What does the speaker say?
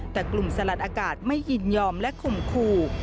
แต่กลุ่มสลัดอากาศไม่ยินยอมและข่มขู่